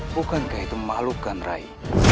bukankah itu makhluk kan rai